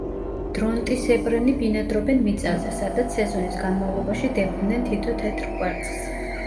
დრონტისებრნი ბინადრობდნენ მიწაზე, სადაც სეზონის განმავლობაში დებდნენ თითო თეთრ კვერცხს.